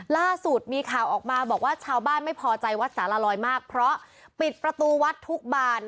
ล่าสุดมีข่าวออกมาบอกว่าชาวบ้านไม่พอใจวัดสารลอยมากเพราะปิดประตูวัดทุกบาน